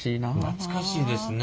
懐かしいですね。